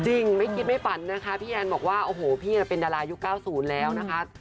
ไม่คิดไม่ฝันนะคะพี่แอนบอกว่าโอ้โหพี่เป็นดารายุค๙๐แล้วนะคะ